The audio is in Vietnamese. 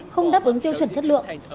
không đáp ứng tiêu chuẩn chất lượng